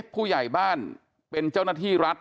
ผู้ใหญ่บ้านเป็นเจ้าหน้าที่รัฐ